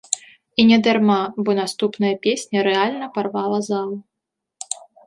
І не дарма, бо наступная песня рэальна парвала залу.